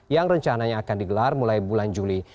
yang rencananya akan digelar mulai bulan juli